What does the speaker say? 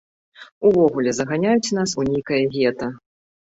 Увогуле, заганяюць нас у нейкае гета!